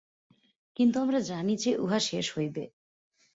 কিন্তু আমরা জানি যে, উহা শেষ হইবে।